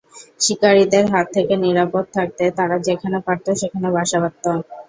শিকারিদের হাত থেকে নিরাপদ থাকতে তারা যেখানে পারত সেখানে বাসা বাঁধত।